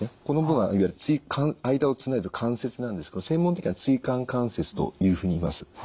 この部分はいわゆる間をつないでる関節なんですけど専門的には椎間関節というふうにいいます。